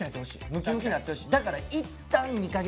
ムキムキなってほしい。